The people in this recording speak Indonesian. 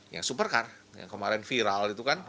yang supercar yang kemarin viral itu kan